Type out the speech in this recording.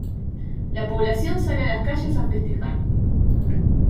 La población sale a las calles a festejar.